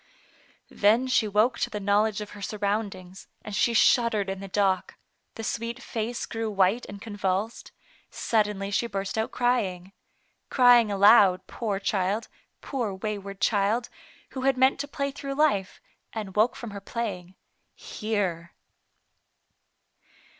Then she woke to the knowledge of her surroundings, and she shuddered in the dock ; the sweet face grew white and convulsed ; suddenly she burst out cry ing. Crying aloud, poor child, poor wayward child, who had meant to play through life, and woke from her playing — here.